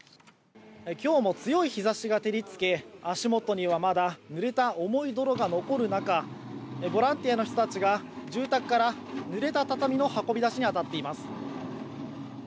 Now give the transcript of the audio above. きょうも強い日ざしが照りつけ足元にはまだぬれた重い泥が残る中ボランティアの人たちが住宅からぬれた畳の運び出しに当たっています。